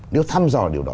nếu thăm dò điều đó